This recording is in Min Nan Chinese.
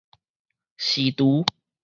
辭櫥